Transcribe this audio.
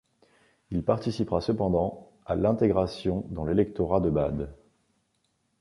Il participera cependant à l'intégration dans l'Électorat de Bade.